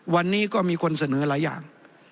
วันนี้ก็มีคนเสนอหลายอย่าง